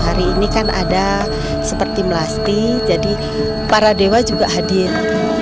hari ini kan ada seperti melasti jadi para dewa juga hadir